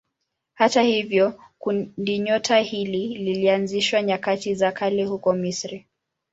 Hata hivyo kundinyota hili lilianzishwa nyakati za kale huko Misri.